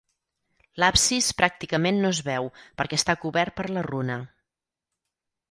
L'absis pràcticament no es veu perquè està cobert per la runa.